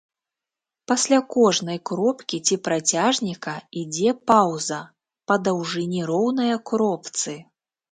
Пасля кожнай кропкі ці працяжніка ідзе паўза, па даўжыні роўная кропцы.